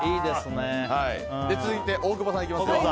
続いて、大久保さんいきますよ。